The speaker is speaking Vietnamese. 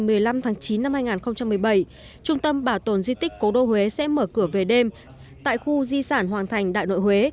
từ ngày hai mươi hai tháng bốn năm hai nghìn một mươi bảy đến ngày một mươi năm tháng chín năm hai nghìn một mươi bảy trung tâm bảo tồn di tích cố đô huế sẽ mở cửa về đêm tại khu di sản hoàng thành đại nội huế